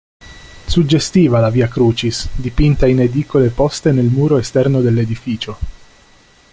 Suggestiva la via crucis dipinta in edicole poste nel muro esterno dell'edificio.